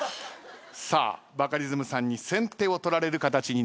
さあバカリズムさんに先手を取られる形になりました。